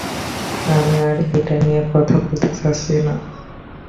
আমি আর এটা নিয়া কথা বলতে চাচ্ছি না!